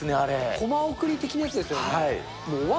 コマ送り的なやつですよね。